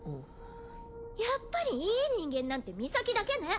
やっぱりいい人間なんてミサキだけね